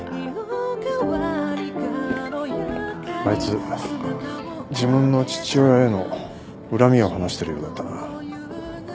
あいつ自分の父親への恨みを話してるようだったな。